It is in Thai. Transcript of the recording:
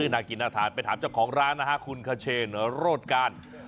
น่ากินน่าทานไปถามเจ้าของร้านนะฮะคุณคเชนโรดการ